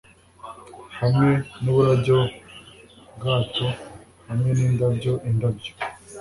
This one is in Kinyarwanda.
hamwe nuburabyo-bwato hamwe nindabyo-indabyo.